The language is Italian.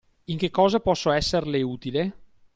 In che cosa posso esserle utile?